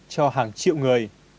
cho hàng triệu người